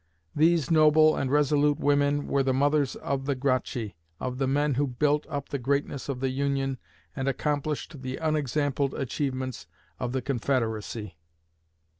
These noble and resolute women were the mothers of the Gracchi, of the men who built up the greatness of the Union and accomplished the unexampled achievements of the Confederacy.